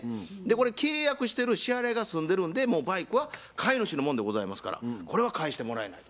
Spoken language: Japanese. これ契約してる支払いが済んでるんでもうバイクは買い主のもんでございますからこれは返してもらえないと思います。